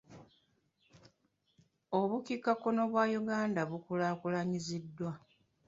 Obukiika kkono bwa Uganda bukulaakulanyiziddwa.